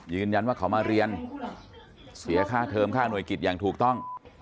ยืนยันว่าเขามาเรียนเสียค่าเทิมค่าหน่วยกิจอย่างถูกต้อง